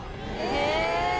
「へえ！」